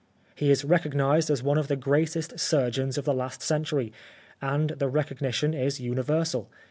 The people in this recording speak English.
He is recognised as one of the greatest surgeons of the last century, and the recognition is universal.